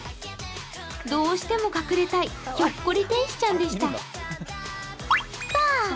どうしても隠れたい、ひょっこり天使ちゃんでした。